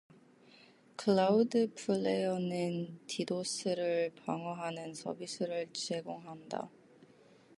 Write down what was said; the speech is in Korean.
클라우드플레어는 디도스를 방어하는 서비스를 제공한다.